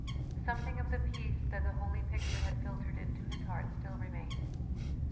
Something of the peace that the holy picture had filtered into his heart still remained.